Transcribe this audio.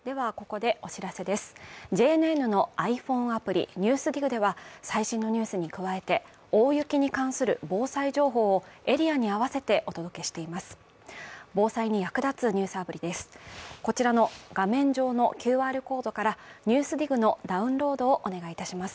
ＪＮＮのｉＰｈｏｎｅアプリ「ＮＥＷＳＤＩＧ」では最新のニュースに加えて、大雪に関する防災情報をエリアに合わせてお届けしています。